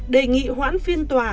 đề nghị hoãn phiên tòa